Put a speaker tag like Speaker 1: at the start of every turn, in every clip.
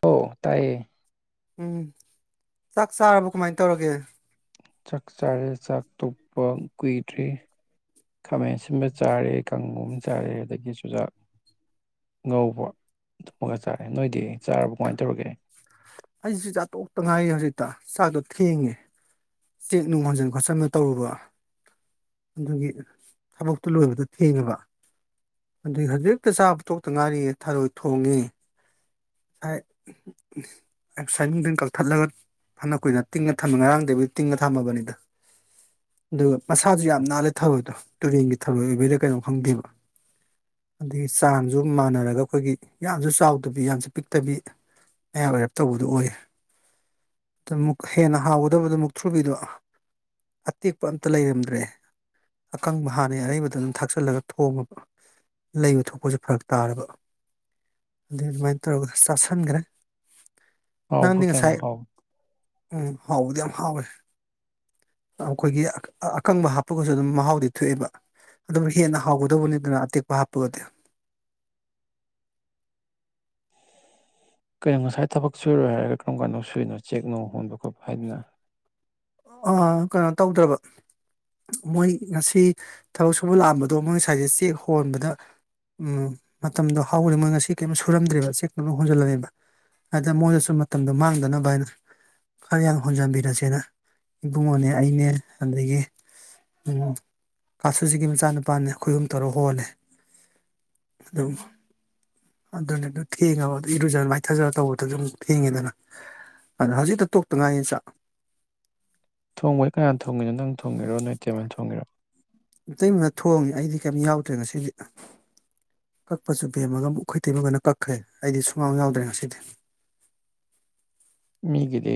Speaker 1: Hello ꯇꯥꯏꯌꯦ
Speaker 2: ꯎꯝ ꯆꯥꯛ ꯆꯥꯔꯕ ꯀꯃꯥꯏꯅ ꯇꯧꯔꯒꯦ
Speaker 1: ꯆꯥꯛ ꯆꯥꯔꯦ ꯆꯥꯛ ꯇꯣꯛꯄ ꯀꯨꯏꯗ꯭ꯔꯤ ꯈꯥꯃꯦꯟ ꯑꯁꯤꯟꯕ ꯆꯥꯔꯦ ꯀꯥꯡꯉꯧꯒ ꯆꯥꯔꯦ ꯑꯗꯒꯤ ꯆꯨꯖꯥꯛ ꯉꯧꯕ ꯑꯗꯨꯃꯒ ꯆꯥꯔꯦ ꯅꯣꯏꯗꯤ ꯆꯥꯔꯕ ꯀꯃꯥꯏꯅ ꯇꯧꯔꯒꯦ
Speaker 2: ꯑꯩꯁꯨ ꯆꯥꯇꯣꯛ ꯇ ꯉꯥꯏꯔꯤ ꯍꯧꯖꯤꯛꯇ ꯆꯥꯛꯇꯣ ꯊꯦꯡꯉꯦ ꯆꯦꯛ ꯅꯨꯡ ꯍꯣꯟꯖꯟ ꯈꯣꯠꯆꯟꯅ ꯇꯧꯔꯨꯕ ꯑꯗꯨꯒꯤ ꯊꯕꯛꯇꯨ ꯂꯣꯏꯕꯗꯣ ꯊꯦꯡꯉꯕ ꯑꯗꯨꯏ ꯍꯧꯖꯤꯛꯇ ꯆꯥꯕ ꯇꯣꯛꯇ ꯉꯥꯏꯔꯤ ꯊꯔꯣꯏ ꯊꯣꯡꯉꯦ ꯉꯥꯁꯥꯏ ꯅꯨꯡꯗꯤꯟ ꯀꯛꯊꯠꯂꯒ ꯐꯅ ꯀꯨꯏꯅ ꯇꯤꯡꯉꯦ ꯊꯝꯃꯦ ꯉꯔꯥꯡꯗꯒꯤꯕꯨ ꯇꯤꯡꯉꯦ ꯊꯝꯃꯕꯅꯤꯗ ꯑꯗꯨꯒ ꯃꯁꯥꯁꯨ ꯌꯥꯝ ꯅꯥꯜꯂꯦ ꯊꯔꯣꯏꯗꯣ ꯇꯨꯔꯦꯟꯒꯤ ꯊꯔꯣꯏ ꯑꯣꯏꯕꯩꯗ ꯀꯩꯅꯣ ꯈꯪꯗꯦꯕ ꯑꯗꯒꯤ ꯆꯥꯡꯁꯨ ꯃꯥꯟꯅꯔꯒ ꯑꯩꯈꯣꯏꯒꯤ ꯌꯥꯝꯁꯨ ꯆꯥꯎꯗꯕꯤ ꯌꯥꯝꯁꯨ ꯄꯤꯛꯇꯕꯤ ꯃꯌꯥꯏ ꯑꯣꯏꯔꯞ ꯇꯧꯕꯗꯨꯣ ꯑꯣꯏ ꯑꯗꯨ ꯍꯦꯟꯅ ꯍꯥꯎꯒꯗꯕꯗ ꯃꯨꯛ ꯊ꯭ꯔꯨꯕꯤꯗꯣ ꯑꯇꯦꯛꯄ ꯑꯝꯇ ꯂꯩꯔꯝꯗ꯭ꯔꯦ ꯑꯀꯪꯕ ꯍꯥꯟꯅꯩ ꯑꯔꯩꯕꯗ ꯑꯗꯨꯝ ꯊꯥꯛꯆꯜꯂꯒ ꯊꯣꯡꯉꯕ ꯂꯩꯕ ꯊꯣꯛꯄꯁꯦ ꯐꯔꯛ ꯇꯥꯔꯕ ꯑꯗꯨꯏ ꯑꯗꯨꯃꯥꯏꯅ ꯇꯧꯔꯒ ꯆꯥꯁꯤꯟꯈ꯭ꯔꯦ ꯅꯪꯗꯤ
Speaker 1: ꯍꯥꯎꯕ꯭ꯔꯣ ꯀꯌꯥꯝ
Speaker 2: ꯉꯁꯥꯏ
Speaker 1: ꯍꯥꯎꯏ
Speaker 2: ꯎꯝ ꯍꯥꯎꯕꯗꯤ ꯌꯥꯝ ꯍꯥꯎꯋꯦ ꯑꯩꯈꯣꯏꯒꯤ ꯑꯀꯪꯕ ꯍꯥꯞꯄꯒꯁꯨ ꯑꯗꯨꯝ ꯃꯍꯥꯎꯗꯤ ꯊꯣꯛꯑꯦꯕ ꯑꯗꯨꯝ ꯍꯦꯟꯅ ꯍꯥꯎꯒꯗꯧꯕꯅꯤꯗꯅ ꯑꯇꯦꯛꯄ ꯍꯥꯞꯄꯒꯗꯤ
Speaker 1: ꯀꯩꯅꯣ ꯉꯁꯥꯏ ꯊꯕꯛ ꯁꯨꯨꯔꯣꯏ ꯍꯥꯏꯔꯒ ꯀꯔꯝ ꯀꯥꯟꯅꯣ ꯁꯨꯔꯤꯅꯣ ꯆꯦꯛꯅꯣ ꯍꯣꯟꯕ ꯈꯣꯠꯄ ꯍꯥꯏꯗꯅ
Speaker 2: ꯀꯩꯅꯣ ꯇꯧꯗ꯭ꯔꯕ ꯃꯣꯏ ꯉꯁꯤ ꯊꯕꯛ ꯁꯨꯕ ꯂꯥꯛꯑꯝꯕꯗꯣ ꯃꯣꯏ ꯉꯁꯥꯏꯁꯦ ꯆꯦꯛ ꯍꯣꯟꯕꯗ ꯃꯇꯝꯗꯣ ꯍꯥꯎꯗ ꯃꯣꯏ ꯉꯁꯤ ꯀꯔꯤꯝ ꯁꯨꯔꯝꯗ꯭ꯔꯦꯕ ꯆꯦꯛ ꯀ ꯍꯣꯟꯖꯜꯂꯅꯦꯕ ꯑꯗ ꯃꯣꯏꯗꯁꯨ ꯃꯇꯝꯗꯣ ꯃꯥꯡꯗꯅꯕ ꯍꯥꯏꯅ ꯈꯔ ꯌꯥꯝꯡ ꯍꯣꯟꯖꯟꯕꯤꯔꯁꯦꯅ ꯏꯕꯨꯡꯉꯣꯅꯦ ꯑꯩꯅꯦ ꯑꯗꯒꯤ ꯀꯥꯁꯨꯁꯤꯒꯤ ꯃꯆꯥꯅꯨꯄꯥꯅꯦ ꯑꯩꯈꯣꯏꯍꯨꯝ ꯇꯔꯣ ꯍꯣꯜꯂꯦ ꯑꯗꯨꯝ ꯑꯗꯨꯅꯦ ꯑꯗꯨ ꯊꯦꯡꯉꯕ ꯏꯔꯨꯖꯔ ꯃꯥꯏꯊꯖꯔ ꯇꯧꯕꯗꯁꯨꯝ ꯊꯦꯡꯉꯦꯗꯅ ꯑꯗ ꯍꯧꯖꯤꯛꯇ ꯇꯣꯛꯇ ꯉꯥꯏꯅꯤ ꯆꯥꯛ
Speaker 1: ꯊꯣꯡꯕꯩ ꯀꯅꯥ ꯊꯣꯡꯉꯤꯅꯣ ꯅꯪ ꯊꯣꯡꯒꯤꯔꯣ ꯅꯣꯏꯇꯦꯝ ꯊꯣꯡꯒꯦꯔꯣ
Speaker 2: ꯑꯇꯩꯃꯅ ꯊꯣꯡꯉꯤ ꯑꯩꯗꯤ ꯀꯩꯝꯇ ꯌꯥꯎꯗ꯭ꯔꯦ ꯉꯁꯤꯗꯤ ꯀꯛꯄꯁꯨ ꯄꯦꯝꯃꯒ ꯑꯃꯨꯛ ꯑꯩꯈꯩ ꯇꯩꯃꯒꯅ ꯀꯛꯈ꯭ꯔꯦ ꯑꯩꯗꯤ ꯁꯨꯉꯥꯡꯝ ꯌꯥꯎꯗ꯭ꯔꯦ ꯉꯁꯤꯗꯤ
Speaker 1: ꯃꯤ ꯦꯂꯤ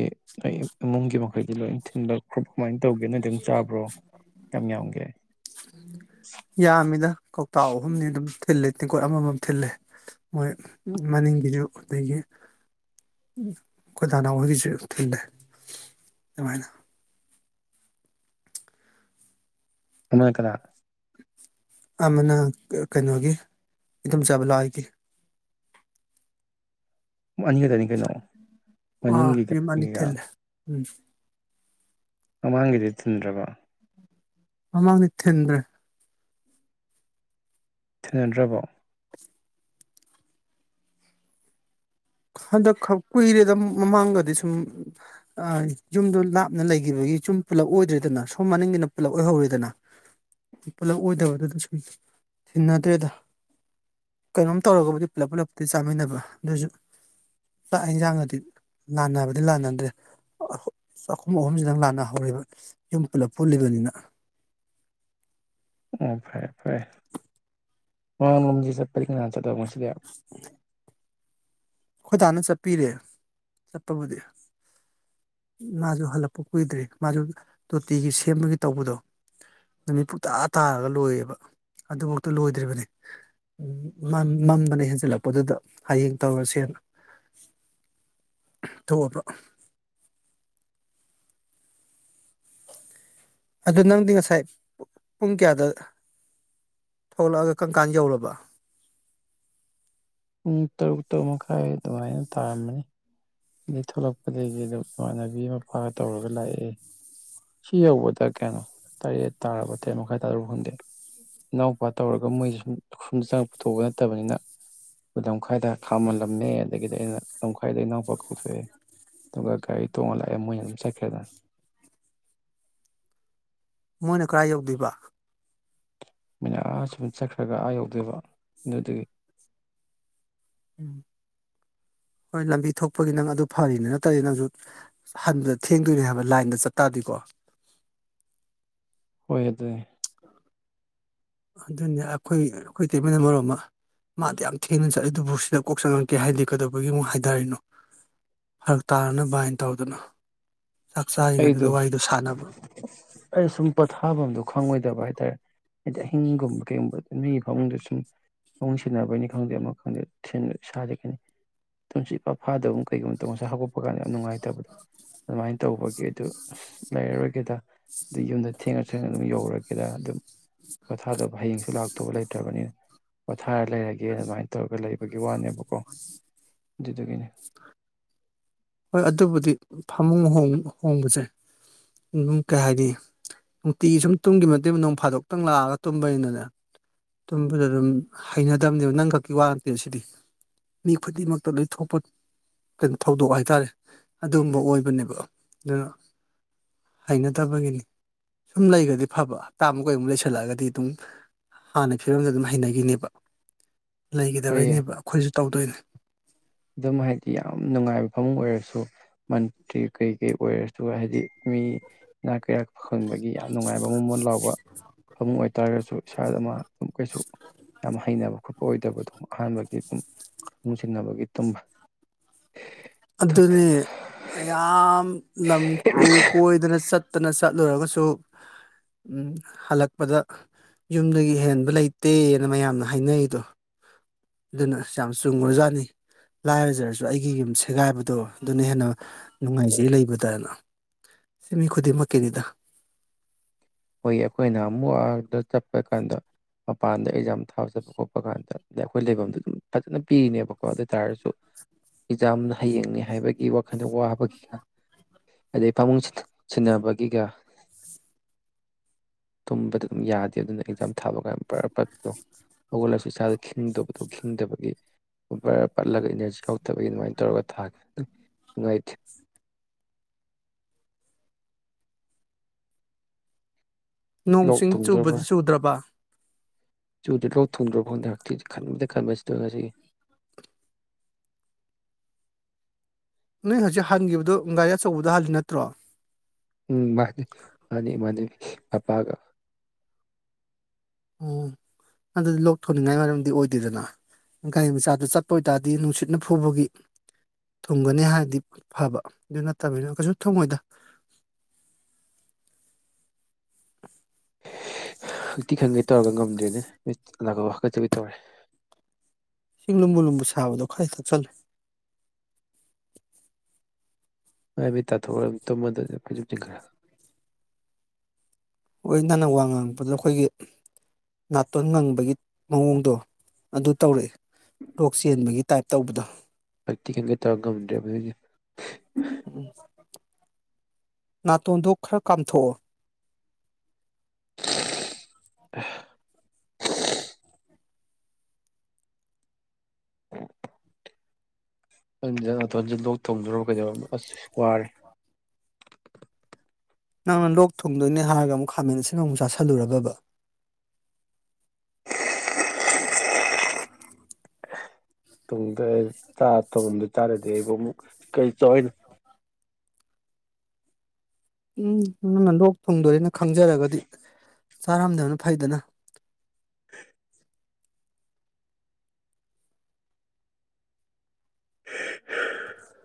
Speaker 1: ꯃꯒꯦ ꯃꯈꯈꯂ ꯏ ꯊꯤꯟ ꯀꯃꯥꯏꯅ ꯇꯧꯒꯦꯅ ꯑꯗꯨꯝ ꯆꯥꯕ꯭ꯔꯣ ꯌꯥꯝ ꯌꯥꯝꯒꯦ
Speaker 2: ꯌꯥꯝꯃꯤꯗ ꯀꯧꯇꯥꯥꯛ ꯑꯍꯨꯝꯅꯤ ꯑꯗꯨꯝ ꯊꯤꯜꯜꯂꯤ ꯇꯦꯡꯀꯣꯠ ꯑꯃꯃꯝ ꯊꯤꯜꯂꯦ ꯃꯣꯏ ꯃꯅꯤꯡꯒꯤꯁꯨ ꯑꯗꯒꯤ ꯈꯣꯏꯗꯥꯅꯥꯍꯣꯏꯒꯤꯁꯨ ꯊꯤꯜꯂꯦ ꯑꯗꯨꯃꯥꯏꯅ
Speaker 1: ꯑꯃꯥꯏ ꯀꯅꯥ
Speaker 2: ꯑꯃꯅ ꯀꯩꯅꯣꯒꯤ ꯏꯇꯝꯆꯥꯥꯕ ꯂꯥꯛꯑꯣꯏꯗꯤ
Speaker 1: ꯑꯅꯤꯈꯛꯇꯅꯤ ꯀꯩꯅꯣ
Speaker 2: ꯑꯥ ꯌꯨꯝ ꯑꯅꯤ
Speaker 1: ꯃꯅꯤꯡꯒꯤꯀꯒꯤꯀ
Speaker 2: ꯊꯤꯜꯂꯦ ꯎꯝ
Speaker 1: ꯃꯃꯥꯡꯒꯤꯗꯤ ꯊꯤꯟꯗ꯭ꯔꯕ
Speaker 2: ꯑꯃꯥꯡꯅꯤꯊꯟ꯭ꯔꯦ
Speaker 1: ꯊꯦꯡꯅꯗ꯭ꯔꯕꯣ
Speaker 2: ꯍꯟꯗꯛ ꯀꯨꯏꯔꯦꯗ ꯃꯃꯥꯡꯗꯗꯤ ꯁꯨꯝ ꯌꯨꯝꯗꯣ ꯂꯥꯞꯅ ꯂꯩꯈꯤꯕꯒꯤ ꯁꯨꯝ ꯄꯨꯜꯂꯞ ꯑꯣꯏꯗ꯭ꯔꯦꯗꯅ ꯁꯣꯝ ꯃꯅꯤꯡꯒꯤꯅ ꯄꯨꯂꯞ ꯑꯣꯏꯍꯧꯔꯤꯗꯅ ꯄꯨꯂꯞ ꯑꯣꯏꯗꯕꯗꯨꯗ ꯁꯨꯝ ꯊꯤꯟꯅꯗ꯭ꯔꯦꯗ ꯀꯩꯅꯣꯝ ꯇꯧꯔꯒꯕꯨꯗꯤ ꯄꯨꯂꯞ ꯄꯨꯂꯞꯄꯨꯗꯤ ꯆꯥꯃꯤꯟꯅꯕ ꯑꯗꯨꯁꯨ ꯆꯥꯛ ꯌꯦꯟꯁꯥꯡꯒꯗꯤ ꯂꯥꯟꯅꯕꯗꯤ ꯂꯥꯟꯅꯗ꯭ꯔꯦ ꯆꯥꯛꯈꯨꯝ ꯑꯍꯨꯝꯁꯤꯗꯪ ꯂꯥꯟꯅꯍꯧꯔꯤꯕ ꯌꯨꯝ ꯄꯨꯂꯞ ꯄꯨꯜꯂꯤꯕꯅꯤꯅ
Speaker 1: ꯑꯣ ꯐꯔꯦ ꯐꯔꯦ ꯃꯥ ꯃꯝꯖꯤ ꯆꯠꯄꯔꯤꯡ ꯉ ꯆꯗꯧꯕꯁꯦ ꯏꯁ
Speaker 2: ꯑꯩꯈꯣꯏ ꯗꯥꯅ ꯆꯠꯄꯤꯔꯦ ꯆꯠꯄꯕꯨꯗꯤ ꯃꯥꯁꯨ ꯍꯜꯂꯛꯄ ꯀꯨꯏꯗ꯭ꯔꯤ ꯃꯥꯁꯨ ꯇꯣꯇꯤꯒꯤ ꯁꯦꯝꯕꯒꯤ ꯇꯧꯕꯗꯣ ꯅꯨꯃꯤꯠ ꯄꯨꯧꯇꯥꯥ ꯇꯥꯔꯒ ꯂꯣꯏꯌꯦꯕ ꯑꯗꯨꯐꯥꯎꯇ ꯂꯣꯏꯗ꯭ꯔꯤꯕꯅꯤ ꯃꯝꯗꯅ ꯍꯦꯟꯖꯜꯂꯛꯄꯗꯨꯗ ꯍꯌꯦꯡ ꯇꯧꯔꯒ ꯁꯦꯝꯕ ꯊꯣꯛꯑꯕ ꯑꯗꯨ ꯅꯪꯗꯤ ꯉꯁꯥꯏ ꯄꯨꯡ ꯀꯌꯥꯗ ꯊꯣꯛꯂꯛ ꯑꯒ ꯀꯝ ꯀꯥꯟ ꯌꯧꯔꯕ
Speaker 1: ꯄꯨꯡ ꯇꯔꯨꯛ ꯇꯔꯨꯛ ꯃꯈꯥꯏ ꯑꯗꯨꯃꯥꯏꯅ ꯇꯥꯔꯝꯃꯅꯤ ꯑ ꯗꯩ ꯊꯣꯛꯂꯛꯄꯗꯒꯤ ꯑꯗꯨꯝ ꯏꯃꯥꯟꯅꯕꯤ ꯃꯄꯥꯒ ꯇꯧꯔꯒ ꯂꯥꯛꯑꯦ ꯁꯤ ꯌꯧꯕꯗ ꯀꯩꯅꯣ ꯇꯔꯦꯠ ꯇꯥꯔꯕ ꯇꯔꯦꯠ ꯃꯈꯥꯏ ꯇꯥꯔꯕ ꯈꯪꯗꯦ ꯏꯅꯥꯎꯄꯥ ꯇꯧꯔꯒ ꯃꯣꯏꯁꯦ ꯁꯨꯝ ꯁꯨꯝꯗ ꯆꯪꯉꯛ ꯄꯨꯊꯣꯛꯄ ꯅꯠꯇꯕꯅꯤꯅ ꯑꯩꯈꯣꯏ ꯂꯝꯈꯥꯏꯗ ꯈꯥꯝꯃꯜꯂꯝꯃꯦ ꯑꯗꯒꯤꯗꯤ ꯑꯩꯅ ꯂꯝꯈꯥꯏꯗ ꯏꯅꯥꯎꯄꯥ ꯀꯧꯊꯣꯛ ꯑꯦ ꯑꯗꯨꯒ ꯒꯥꯔꯤ ꯇꯣꯡꯉ ꯂꯥꯛꯑꯦ ꯃꯣꯏꯅ ꯑꯗꯨꯝ ꯆꯠꯈ꯭ꯔꯦꯗꯅ
Speaker 2: ꯃꯣꯏꯅ ꯀꯗꯥꯏ ꯌꯧꯗꯣꯏꯕ
Speaker 1: ꯃꯅꯥ ꯑꯥ ꯁꯨꯝ ꯆꯠꯈ꯭ꯔꯒ ꯑꯥ ꯌꯧꯗꯣꯏꯕ ꯑꯗꯨꯗꯨꯒꯤ
Speaker 2: ꯎꯝ ꯍꯣꯏ ꯂꯝꯕꯤ ꯊꯣꯛꯄꯒꯤ ꯅꯪ ꯑꯗꯨ ꯐꯔꯤꯅꯤ ꯅꯠꯇ꯭ꯔꯗꯤ ꯅꯪꯖꯨ ꯍꯟꯕꯗ ꯊꯦꯡꯗꯣꯏꯅꯦ ꯍꯥꯏꯕ ꯂꯥꯏꯟꯗ ꯆꯠꯇꯥꯔꯗꯤꯀꯣ꯫
Speaker 1: ꯍꯣꯢ ꯑꯗꯨꯅꯦ
Speaker 2: ꯑꯗꯨꯅꯦ ꯑꯩꯈꯣꯏ ꯑꯩꯈꯣꯏ ꯏꯇꯩꯃꯅ ꯃꯔꯣꯜ ꯑꯃ ꯃꯥ ꯑꯗꯨꯛ ꯌꯥꯝ ꯊꯦꯡꯅ ꯆꯠꯂꯤꯗꯨꯕꯨ ꯁꯤꯗ ꯀꯣꯛ ꯆꯪꯉꯛꯀꯦ ꯍꯥꯏꯗꯤ ꯀꯩꯗꯧꯕꯒꯤ ꯑꯃꯨꯛ ꯍꯥꯏꯗꯔꯤꯅꯣ ꯐꯔꯛ ꯇꯥꯅꯅꯕ ꯍꯥꯏꯅ ꯇꯧꯗꯅ꯫ ꯆꯥꯛ
Speaker 1: ꯑꯩꯗꯣ
Speaker 2: ꯆꯥꯔꯤꯉꯩꯗꯨꯗ ꯋꯥꯔꯤꯗꯣ ꯁꯥꯟꯅꯕ
Speaker 1: ꯑꯩ ꯁꯨꯝ ꯄꯊꯥꯞꯝꯗꯣ ꯈꯪꯉꯣꯏꯗꯕ ꯍꯥꯏꯇꯥꯔꯦ꯫ ꯍꯥꯏꯗꯤ ꯑꯍꯤꯡꯒꯨꯝꯕ ꯀꯩꯒꯨꯝꯕ ꯃꯤꯒꯤ ꯐꯃꯨꯡꯗ ꯁꯨꯝ ꯐꯃꯨꯡ ꯁꯤꯟꯅꯕꯩꯅꯤ ꯈꯪꯗꯦ ꯑꯃ ꯈꯪꯗꯦ ꯏꯁꯥꯗ [unintelligible] ꯇꯨꯝꯁꯤꯠ ꯏꯐꯥ ꯐꯥꯗꯕꯒꯨꯝ ꯀꯩꯒꯨꯝ ꯇꯧ ꯉꯁꯥꯢ ꯍꯧꯒꯠꯄꯥ ꯀꯥꯟꯗ ꯌꯥꯝ ꯅꯨꯡꯉꯥꯏꯇꯕꯗꯣ ꯑꯗꯨꯃꯥꯏꯅ ꯇꯧꯕ ꯀꯦ ꯗꯨ ꯑꯁ ꯂꯩꯔꯔꯣꯏꯒꯦꯗ ꯑꯗꯩ ꯌꯨꯝꯗ ꯊꯦꯡꯅ ꯊꯦꯡꯅ ꯑꯗꯨꯝ ꯌꯧꯔꯒꯦꯗ ꯑꯗꯨꯝ ꯄꯣꯊꯥꯗꯕ ꯍꯌꯦꯡꯁꯨ ꯂꯥꯛꯇꯧ ꯂꯩꯇ꯭ꯔꯕꯅꯤꯅ ꯄꯣꯊꯥꯔ ꯂꯩꯔꯒꯦ ꯑꯗꯨꯃꯥꯏꯅ ꯇꯧꯔꯒ ꯂꯩꯕꯒꯤ ꯋꯥꯅꯦꯕꯀꯣ ꯑꯗꯨꯗꯨꯒꯤꯅꯤ꯫
Speaker 2: ꯍꯣꯏ ꯑꯗꯨꯕꯨꯗꯤ ꯐꯃꯨꯡ ꯍꯣꯡꯕꯁꯦ ꯑꯗꯨꯝ ꯀꯩ ꯍꯥꯏꯅꯤ ꯅꯨꯡꯇꯤꯒꯤ ꯁꯨꯝ ꯇꯨꯝꯒꯤ ꯃꯇꯨꯡ ꯅꯣꯡ ꯐꯥꯗꯣꯛꯇꯪ ꯂꯥꯛꯑꯒ ꯇꯨꯝꯕꯅꯤꯅꯅꯦ ꯇꯨꯝꯕꯗ ꯑꯗꯨꯝ ꯍꯩꯅꯗꯕꯅꯦꯕ ꯅꯪ ꯈꯛꯀꯤ ꯋꯥ ꯅꯇꯦ ꯁꯤꯗꯤ ꯃꯤ ꯈꯨꯗꯤꯡꯃꯛꯇ ꯂꯣꯏ ꯊꯣꯛꯄ ꯀꯩꯅꯣ ꯊꯧꯗꯣꯛ ꯍꯥꯏ ꯇꯥꯔꯦ ꯑꯗꯨꯒꯨꯝꯕ ꯑꯣꯏꯕꯅꯦꯕ ꯑꯗꯨꯅ ꯍꯩꯅꯗꯕꯒꯤꯅꯤ ꯁꯨꯝ ꯂꯩꯒꯗꯤ ꯐꯕ ꯍꯞꯇꯥꯃꯨꯛ ꯀꯩꯃꯨꯛ ꯂꯩꯁꯜꯂꯛꯑꯒꯗꯤ ꯑꯗꯨꯝ ꯍꯥꯟꯅ ꯐꯤꯕꯝꯗ ꯑꯗꯨꯝ ꯍꯩꯅꯒꯤꯅꯦꯕ꯫
Speaker 1: ꯍꯣꯏꯌꯦ
Speaker 2: ꯂꯩꯒꯗꯕꯩꯅꯦꯕ ꯑꯩꯈꯣꯏꯖꯨ ꯇꯧꯗꯣꯏꯅꯦ꯫
Speaker 1: ꯑꯗꯨꯝ ꯍꯥꯏꯗꯤ ꯌꯥꯝ ꯅꯨꯡꯉꯥꯏꯕ ꯐꯃꯨꯡ ꯑꯣꯏꯔꯁꯨ ꯃꯟꯇ꯭ꯔꯤ ꯀꯩ ꯀꯩ ꯑꯣꯏꯔꯁꯨ ꯍꯥꯏꯗꯤ ꯃꯤ ꯏꯅꯥꯛ ꯀꯩꯔꯥ ꯐꯪꯕꯒꯤ ꯌꯥꯝ ꯅꯨꯡꯉꯥꯏꯕ ꯃꯣꯟ ꯃꯣꯟ ꯂꯥꯎꯕ ꯐꯃꯨꯡ ꯑꯣꯏꯇꯥꯔꯒꯁꯨ ꯏꯁꯥꯗ ꯃꯥ ꯑꯗꯨꯝ ꯀꯩꯁꯨ ꯌꯥꯝ ꯍꯩꯅꯕ ꯈꯣꯠꯄ ꯑꯣꯏꯗꯕꯗꯣ ꯑꯍꯥꯟꯕꯒꯤ ꯑꯗꯨꯝ ꯐꯃꯨꯡ ꯁꯤꯟꯅꯕꯒꯤ꯫ ꯇꯨꯝꯕ
Speaker 2: ꯑꯗꯨꯅꯤ ꯃꯌꯥꯝ ꯂꯝ ꯇꯨ ꯀꯣꯏꯗꯅ ꯆꯠ [unintelligible] ꯆꯠꯂꯨꯔꯒꯁꯨ ꯎꯝ ꯍꯜꯂꯛꯄꯗ ꯌꯨꯝꯗꯒꯤ ꯍꯦꯟꯕ ꯂꯩꯇꯦꯅ ꯃꯌꯥꯝꯅ ꯍꯥꯏꯅꯩꯗꯣ ꯑꯗꯨꯅ ꯌꯥꯝ ꯆꯨꯝꯒꯔꯖꯥꯠꯅꯤ ꯂꯥꯏꯔꯖꯔꯖꯨ ꯑꯩꯒꯤ ꯌꯨꯝꯁꯦ꯫ ꯁꯦꯒꯥꯏꯕꯗꯣ ꯑꯗꯨꯅ ꯍꯦꯟꯅ ꯅꯨꯡꯉꯥꯏꯖꯩ ꯂꯩꯕꯗꯅ ꯁꯤ ꯃꯤ ꯈꯨꯗꯤꯡꯃꯛꯀꯤꯅꯤꯗ꯫
Speaker 1: ꯍꯣꯏ ꯑꯩꯈꯣꯏꯅ ꯑꯃꯨꯛ ꯑꯗ ꯆꯠꯄ ꯀꯥꯟꯗ ꯃꯄꯥꯟꯗ ꯑꯦꯛꯖꯥꯝ ꯊꯥ ꯆꯠꯄ ꯈꯣꯠꯄ ꯀꯥꯟꯗ ꯑꯗꯩ ꯑꯩꯈꯣꯏ ꯂꯩꯐꯝꯗ ꯑꯗꯨꯝ ꯐꯖꯅ ꯄꯤꯔꯤꯅꯦꯕꯀꯣ ꯑꯗꯨ ꯑꯣꯏ ꯇꯥꯔꯁꯨ ꯑꯦꯛꯖꯥꯝ ꯍꯌꯦꯡꯅꯦ ꯍꯥꯏꯕꯒꯤ ꯋꯥꯈꯜꯗ ꯋꯥꯕꯒꯤꯒ ꯑꯗꯩ ꯐꯃꯨꯡ ꯁꯤꯟꯅꯕꯒꯤꯒ ꯇꯨꯝꯕꯗ ꯑꯗꯨꯝ ꯌꯥꯗꯦ ꯑꯗꯨꯅ ꯑꯦꯛꯖꯥꯝ ꯊꯥꯕ ꯀꯥꯟꯗ ꯕꯔꯥ ꯄꯠꯄꯗꯣ ꯍꯧꯒꯠꯂꯁꯨ ꯏꯁꯥꯗ ꯈꯤꯗꯕꯗꯣ ꯈꯤꯡꯗꯕꯒꯤ ꯕꯔꯥ ꯄꯠꯂꯒ ꯏꯅꯔꯖꯤ ꯌꯥꯎꯗꯕꯒꯤ ꯑꯗꯨꯃꯥꯏꯅ ꯇꯧꯔꯒ ꯊꯥꯈꯤ ꯅꯨꯡꯉꯥꯏꯇꯦ꯫
Speaker 2: ꯅꯣꯡ
Speaker 1: ꯂꯣꯛ
Speaker 2: ꯆꯤꯡ ꯆꯨꯕꯗꯤ ꯆꯨꯗ꯭ꯔꯕ꯫
Speaker 1: ꯆꯨꯗꯦ ꯂꯣ ꯊꯣꯡꯗꯧꯔꯕ ꯈꯡꯗꯦ ꯍꯥꯛꯊꯤ ꯈꯟꯕꯗ ꯈꯟꯕ ꯁꯤꯗꯣꯏꯔꯦ ꯉꯁꯤꯒꯤ꯫
Speaker 2: ꯅꯣꯏ ꯍꯧꯖꯤꯛ ꯍꯟꯒꯤꯕꯗꯨ ꯒꯥꯔꯤ ꯑꯆꯧꯕꯗ ꯍꯜꯂꯤ ꯅꯠꯇ꯭ꯔꯣ꯫
Speaker 1: ꯎꯝ ꯃꯥꯅꯤ ꯃꯥꯅꯤ ꯃꯥꯅꯤ ꯑꯄꯥꯒ꯫
Speaker 2: ꯑꯣ ꯑꯗꯨꯗꯤ ꯂꯣꯛ ꯊꯣꯡꯅꯤꯡꯉꯥꯏ ꯃꯔꯝꯗꯤ ꯑꯣꯏꯗꯦꯗꯅ ꯒꯥꯔꯤ ꯃꯆꯥꯗꯨ ꯆꯠꯄ ꯑꯣꯏꯇꯥꯔꯗꯤ ꯅꯨꯡꯁꯤꯠꯅ ꯐꯨꯕꯒꯤ ꯊꯨꯡꯒꯅꯤ ꯍꯥꯏꯔꯗꯤ ꯐꯕ ꯑꯗꯨ ꯅꯠꯇꯃꯤꯅ ꯀꯩꯁꯨ ꯊꯨꯡꯉꯣꯏꯗ꯫
Speaker 1: ꯍꯥꯛꯇꯤ ꯈꯪꯒꯦ ꯇꯧꯔꯒ ꯉꯝꯗ꯭ꯔꯦ ꯃꯤꯠ ꯅꯥꯀꯣꯛ ꯍꯥꯒꯖꯕꯤ ꯇꯧꯔꯦ꯫
Speaker 2: ꯙꯁꯤꯡ ꯂꯨꯝꯕꯨ ꯂꯨꯝꯕꯨ ꯁꯥꯕꯗꯣ ꯈꯔꯛ ꯊꯛꯆꯜꯂꯨ꯫
Speaker 1: ꯃꯥꯏ ꯃꯤꯠ ꯇꯣꯊꯣꯛꯎꯔ ꯇꯨꯝꯃꯗꯃꯦ ꯐꯩꯖꯨꯞ ꯆꯤꯡꯈꯠꯂꯒ꯫
Speaker 2: ꯍꯣꯏ ꯅꯪꯅ ꯋꯥ ꯉꯥꯡꯛꯄꯗ ꯑꯩꯈꯣꯏꯒꯤ ꯅꯥꯇꯣꯟ ꯉꯪꯕꯒꯤ ꯃꯑꯣꯡꯗꯣ ꯑꯗꯨ ꯇꯧꯔꯛꯏ ꯂꯣꯛ ꯆꯦꯟꯕꯒꯤ ꯇꯥꯏꯞ ꯇꯧꯕꯗꯣ꯫
Speaker 1: ꯍꯛꯊꯤ ꯈꯟꯒꯦ ꯇꯧꯔꯒ ꯉꯝꯗ꯭ꯔꯦꯕ ꯑꯗꯨꯒꯤ
Speaker 2: ꯎꯝ ꯅꯥꯇꯣꯟꯗꯨ ꯈ꯭ꯔ ꯀꯥꯝꯊꯣꯛꯑꯣ꯫
Speaker 1: [unintelligible] [unintelligible] ꯈꯪꯗꯦꯗ ꯅꯥꯇꯣꯟꯖ ꯂꯣꯛ ꯇꯧꯗꯣꯏꯔꯕꯣ ꯀꯩꯅꯣ ꯑꯁ ꯋꯥꯔꯦ꯫
Speaker 2: ꯅꯪꯅ ꯂꯣꯛ ꯊꯨꯡꯗꯣꯏꯅꯦ ꯍꯥꯏꯔꯒ ꯑꯃꯨꯛ ꯈꯥꯃꯦꯟ ꯑꯁꯤꯟꯕ ꯑꯃꯨꯛ ꯆꯥꯥꯁꯤꯜꯂꯨꯔꯕꯕ꯫
Speaker 1: ꯇꯨꯡꯗ ꯆꯥꯛ ꯊꯣꯛꯗ ꯇꯥꯔꯗꯤ ꯑꯩꯕꯨ ꯑꯃꯨꯛ ꯀꯩ ꯆꯥꯎ ꯍꯥꯏꯅꯣ꯫
Speaker 2: ꯎꯝ ꯅꯪ ꯂꯣꯛ ꯊꯨꯡꯗꯣꯏꯔꯦꯅ ꯈꯪꯖꯔꯒꯗꯤ ꯆꯥꯔꯝꯗꯕꯅ ꯐꯩꯗꯅ꯫
Speaker 1: [inaudible]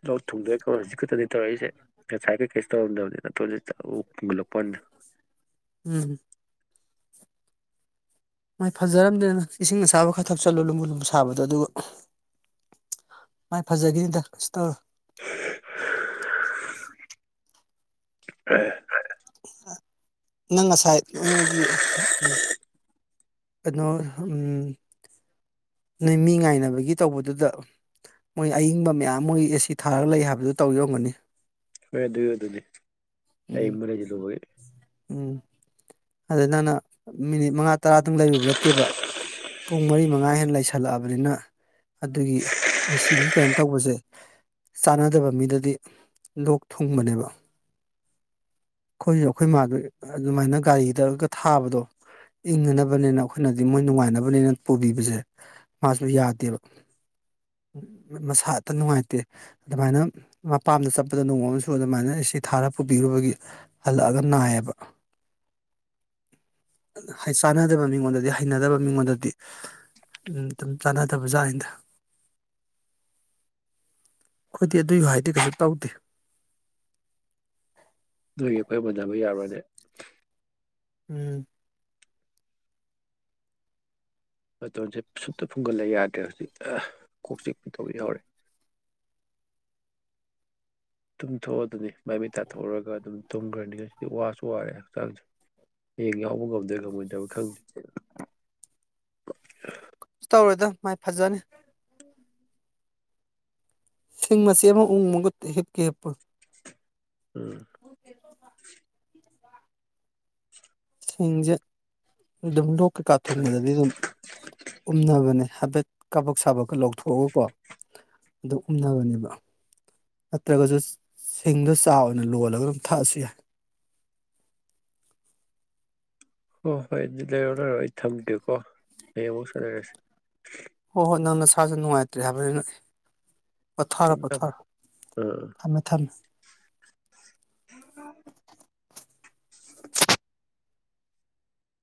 Speaker 1: ꯂꯣꯛ ꯊꯨꯡꯗꯣꯏ ꯀꯣ ꯍꯧꯖꯤꯛ ꯈꯛꯇꯅꯤ ꯇꯧꯔꯛꯏꯁꯦ ꯉꯁꯥꯏ ꯀꯩꯀꯩ ꯇꯧꯔꯝꯗꯕꯅꯦ ꯅꯥꯇꯣꯟꯖꯦ ꯖꯠ ꯂꯥꯎ ꯐꯨꯡꯒꯠꯂꯛꯄꯒꯤ ꯋꯥꯅꯤꯗ꯫
Speaker 2: ꯎꯝ꯫ ꯃꯥꯏ ꯐꯖꯔꯝꯅꯤꯗ ꯏꯁꯤꯡ ꯑꯁꯥꯕ ꯈꯔ ꯊꯛ ꯆꯠꯂꯣ ꯂꯨꯝꯕꯨ ꯂꯨꯝꯕꯨ ꯁꯥꯕꯗꯣ ꯑꯗꯨ ꯃꯥꯏ ꯐꯖꯈꯤꯅꯤꯗ ꯀꯁꯨ ꯇꯧꯔꯣꯢ꯫
Speaker 1: [unintelligible]
Speaker 2: ꯅꯪ ꯉꯁꯥꯏ ꯅꯣꯏꯒꯤ ꯀꯩꯅꯣ ꯎꯝ ꯅꯣꯏ ꯃꯤ ꯉꯥꯏꯅꯕꯒꯤ ꯇꯧꯕꯗꯨꯗ ꯃꯣꯏ ꯑꯏꯤꯡꯕ ꯃꯌꯥꯝ ꯃꯣꯏ ꯑꯦꯁꯤ ꯊꯥꯔꯒ ꯂꯩ ꯍꯥꯏꯕꯗꯨ ꯇꯧ ꯌꯝꯒꯅꯤ
Speaker 1: ꯍꯣꯏ ꯑꯗꯨꯏ ꯑꯗꯨꯗꯤ
Speaker 2: ꯎꯝ
Speaker 1: ꯑꯩꯃ ꯂꯩꯁꯤꯜ [inaudible]
Speaker 2: ꯑꯗꯨ ꯅꯅ ꯃꯤꯅꯤꯠ ꯃꯉꯥ ꯇꯔꯥꯗꯨꯝ ꯂꯩꯔꯨꯕ ꯅꯠꯇꯦꯕ ꯄꯨꯡ ꯃꯔꯤ ꯃꯉꯥ ꯍꯦꯟꯅ ꯂꯩꯁꯜꯂꯛꯑꯕꯅꯤꯅ ꯑꯗꯨꯒꯤ ꯁꯤꯒꯤ ꯀꯩꯅꯣ ꯇꯧꯕꯁꯦ ꯆꯥꯟꯅꯗꯕ ꯃꯤꯗꯗꯤ ꯂꯣꯛ ꯊꯨꯡꯕꯅꯦꯕ ꯑꯩꯈꯣꯏꯁꯨ ꯑꯩꯈꯣꯏ ꯃꯥꯗ ꯑꯗꯨꯃꯥꯏꯅ ꯒꯥꯔꯤꯗꯒ ꯊꯥꯕꯗꯣ ꯏꯪꯅꯅꯕꯅꯤꯅ ꯑꯩꯈꯣꯏꯅꯗꯤ ꯃꯣꯏ ꯅꯨꯡꯉꯥꯏꯅꯕꯅꯤꯅ ꯄꯨꯕꯤꯕꯁꯦ ꯃꯥꯁꯨ ꯌꯥꯗꯦꯕ ꯃꯁꯥꯇ ꯅꯨꯡꯉꯥꯏꯇꯦ ꯑꯗꯨꯃꯥꯏꯅ ꯃꯄꯥꯝꯗ ꯆꯠꯄꯗ ꯅꯣꯡꯃ ꯑꯃꯁꯨ ꯑꯗꯨꯃꯥꯏꯅ ꯁꯤ ꯊꯥꯔ ꯄꯨꯕꯤꯔꯨꯕꯒꯤ ꯍꯜꯂꯛꯑꯒ ꯅꯥꯏꯌꯦꯕ ꯆꯥꯅꯗꯕ ꯃꯤꯉꯣꯟꯗꯗꯤ ꯍꯩꯅꯗꯕ ꯃꯤꯉꯣꯟꯗꯗꯤ ꯎꯝ ꯑꯗꯨꯝ ꯆꯥꯅꯗꯕꯖꯥꯠꯅꯤꯗ ꯑꯩꯈꯣꯏꯗꯤ ꯑꯗꯨꯏꯒ ꯍꯥꯏꯗꯤ ꯀꯩꯁꯨꯛ ꯇꯧꯗꯦ
Speaker 1: ꯅꯣꯏꯒꯤ ꯑꯩꯈꯣꯏ ꯍꯟꯊꯕ ꯌꯥꯕꯅꯦ
Speaker 2: ꯎꯝ
Speaker 1: ꯅꯥꯇꯣꯝꯁꯦ ꯁꯨꯞꯇ ꯐꯨꯡꯒꯠꯂ ꯌꯥꯗ꯭ꯔꯦ ꯍꯧꯖꯤꯛ ꯀꯣꯛ ꯆꯤꯛꯄ ꯇꯧꯕ ꯌꯥꯎꯔꯦ ꯇꯨꯝꯊꯣꯛꯑꯣꯗꯨꯗꯤ ꯃꯥꯏ ꯃꯤꯠ ꯇꯥꯊꯣꯛꯎꯔꯒ ꯑꯗꯨꯝ ꯇꯨꯝꯈ꯭ꯔꯅꯤ ꯉꯁꯤꯗꯤ ꯋꯥꯁꯨ ꯋꯥꯔꯦ ꯍꯛꯆꯥꯡꯁꯦ ꯍꯌꯦꯡ ꯌꯥꯎꯕ ꯉꯝꯗ꯭ꯔꯣꯏ ꯉꯝꯃꯣꯏꯗꯕ ꯈꯪꯗꯦ
Speaker 2: ꯀꯩꯁ ꯇꯧꯔꯣꯏꯗ ꯃꯥꯏ ꯐꯖꯅꯤ ꯁꯤꯡꯃꯆꯦꯠ ꯑꯃ ꯎꯪ ꯃꯨ ꯒꯠꯇꯦ ꯍꯤꯞꯀꯦ ꯍꯤꯞꯄꯣ
Speaker 1: ꯎꯝ
Speaker 2: ꯁꯤꯡꯁꯦ ꯑꯗꯨꯝ ꯂꯣꯛ ꯀꯩꯀꯥ ꯊꯣꯡꯕꯗꯗꯤ ꯑꯗꯨꯝ ꯎꯝꯅꯕꯅꯦ ꯍꯥꯏꯐꯦꯠ ꯀꯕꯛ ꯁꯥꯕꯀ ꯂꯧꯊꯣꯛꯑꯒꯀꯣ ꯑꯗꯨ ꯎꯝꯅꯕꯅꯦꯕ ꯅꯠꯇ꯭ꯔꯒꯁꯨ ꯁꯤꯡꯗꯣ ꯆꯥ ꯑꯣꯏꯅ ꯂꯣꯜꯂꯒ ꯑꯗꯨꯝ ꯊꯛꯑꯁꯨ ꯌꯥꯏ
Speaker 1: ꯍꯣꯏ ꯍꯣꯏ ꯑꯗꯨ ꯂꯩꯔꯣ ꯂꯩꯔꯣ ꯑꯩ ꯊꯝꯒꯦꯀꯣ ꯍꯌꯦꯡ ꯑꯃꯨꯛ ꯁꯥꯟꯟꯅꯔꯁꯦ
Speaker 2: ꯍꯣꯏ ꯍꯣꯏ ꯅꯪ ꯅꯁꯥꯥꯁꯨ ꯅꯨꯡꯉꯥꯏꯇ꯭ꯔꯦ ꯍꯥꯏꯕꯅꯤ ꯅ ꯄꯣꯊꯥꯔꯣ
Speaker 1: ꯊꯝꯃꯦ ꯊꯝꯃꯦ
Speaker 2: ꯄꯣꯊꯥꯔꯣ
Speaker 1: ꯑꯥ
Speaker 2: ꯊꯝꯃꯦ ꯊꯝꯃꯦ
Speaker 1: ꯑ